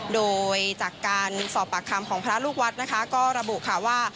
โดยจากการสอบปากคำของพระลูกวัดนะคะก็ระบุค่ะว่า